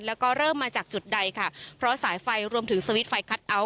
แล้วก็เริ่มมาจากจุดใดค่ะเพราะสายไฟรวมถึงสวิตช์ไฟคัทเอาท